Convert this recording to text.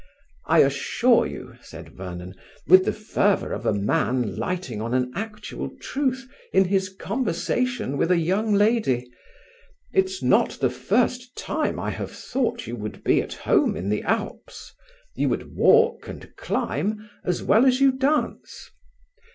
"I assure you," said Vernon, with the fervour of a man lighting on an actual truth in his conversation with a young lady, "it's not the first time I have thought you would be at home in the Alps. You would walk and climb as well as you dance."